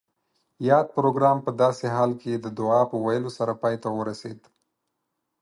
یاد پروګرام پۀ داسې حال کې د دعا پۀ ویلو سره پای ته ورسید